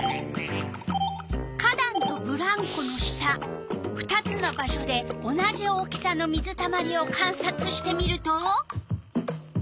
花だんとブランコの下２つの場所で同じ大きさの水たまりをかんさつしてみると。